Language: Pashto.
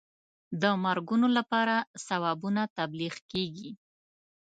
د مرګونو لپاره ثوابونه تبلیغ کېږي.